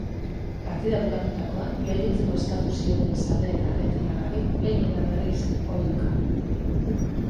Partida bukatutakoan, gelditzeko eskatu zioten zaleek argentinarrari behin eta berriz, oihuka.